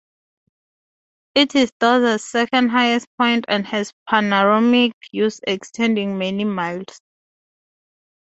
It is Dorset's second highest point and has panoramic views extending for many miles.